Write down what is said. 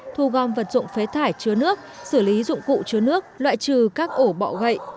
thu gom vật dụng phế thải chứa nước xử lý dụng cụ chứa nước loại trừ các ổ bọ gậy